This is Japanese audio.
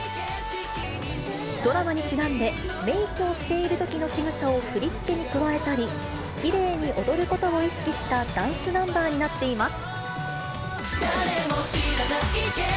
ドラマにちなんで、メークをしているときのしぐさを振り付けに加えたり、きれいに踊ることを意識したダンスナンバーになっています。